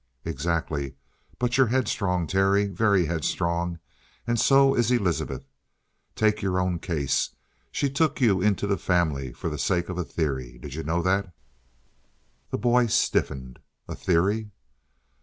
"Exactly. But you're headstrong, Terry. Very headstrong. And so is Elizabeth. Take your own case. She took you into the family for the sake of a theory. Did you know that?" The boy stiffened. "A theory?"